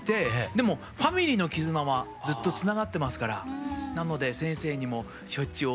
でもファミリーの絆はずっとつながってますからなので先生にもしょっちゅうお会いさせて頂いております。